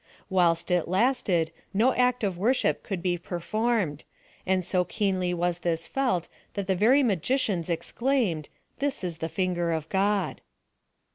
Whilst it lasted, no act of worship could be performed, and so keenly was this felt that the very magicians ex claimed, —" this is the linger of God."